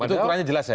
itu ukurannya jelas ya